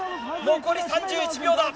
残り３１秒だ。